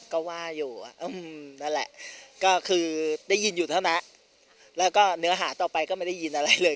ก็ว่าอยู่นั่นแหละก็คือได้ยินอยู่เท่านั้นแล้วก็เนื้อหาต่อไปก็ไม่ได้ยินอะไรเลย